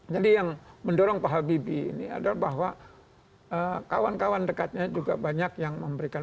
jadi yang mendorong pak habibie ini adalah bahwa kawan kawan dekatnya juga banyak yang memberikan